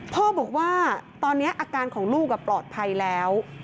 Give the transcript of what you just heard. พ่อบอกว่าตอนนี้อาการของลูกปลอดภัยแล้ว